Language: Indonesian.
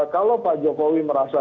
kalau pak jokowi merasa